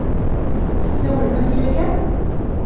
Tesawlem-as yakan?